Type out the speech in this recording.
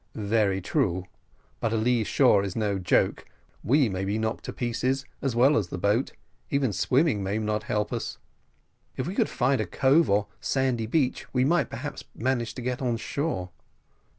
"Very true, but a lee shore is no joke; we may be knocked to pieces, as well as the boat even swimming may not help us. If we could find a cove or sandy beach, we might, perhaps, manage to get on shore."